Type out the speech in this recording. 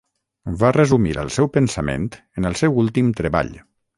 Va resumir el seu pensament en el seu últim treball: